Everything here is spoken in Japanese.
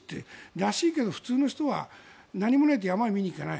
らしいけど普通の人は何もないと山を見に行かない。